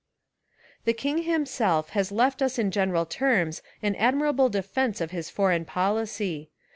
The king himself has left us In general terms an admirable defence of his foreign policy.